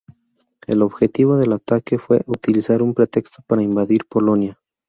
El objetivo del ataque fue utilizar un pretexto para invadir Polonia.